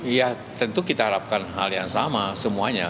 ya tentu kita harapkan hal yang sama semuanya